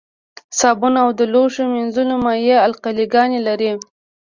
صابون او د لوښو مینځلو مایع القلي ګانې لري.